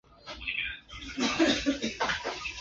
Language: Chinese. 扁肢紧腹溪蟹为溪蟹科紧腹溪蟹属的动物。